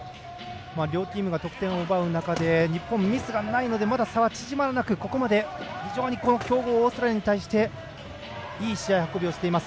両チームが得点を奪う中で日本はミスがないのでまだ差が縮まらなく、ここまで強豪オーストラリアに対していい試合運びをしています。